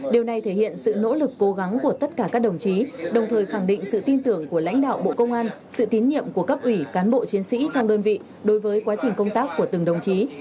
điều này thể hiện sự nỗ lực cố gắng của tất cả các đồng chí đồng thời khẳng định sự tin tưởng của lãnh đạo bộ công an sự tín nhiệm của cấp ủy cán bộ chiến sĩ trong đơn vị đối với quá trình công tác của từng đồng chí